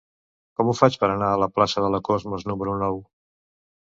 Com ho faig per anar a la plaça de la Cosmos número nou?